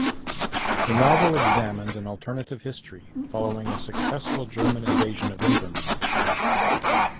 The novel examines an alternate history following a successful German invasion of England.